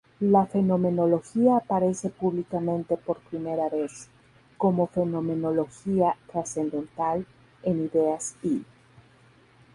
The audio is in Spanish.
La fenomenología aparece públicamente por primera vez como fenomenología trascendental en "Ideas I".